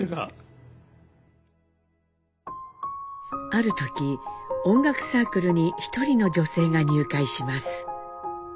ある時音楽サークルに一人の女性が入会します。